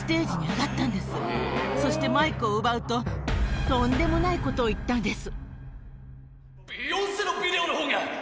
そしてマイクを奪うととんでもないことを言ったんです。